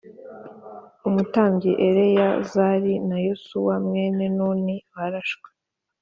umutambyi Eleyazari na Yosuwa mwene Nuni barashwe